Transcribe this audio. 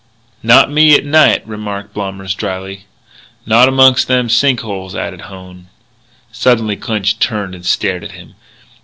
"Not me, at night," remarked Blommers drily. "Not amongst them sink holes," added Hone. Suddenly Clinch turned and stared at him.